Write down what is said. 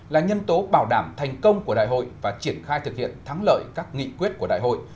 là nhân tố bảo đảm thành công của đại hội và triển khai thực hiện thắng lợi các nghị quyết của đại hội